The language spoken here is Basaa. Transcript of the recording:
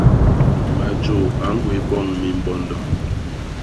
Majo a ñgwés boñ mimbondo.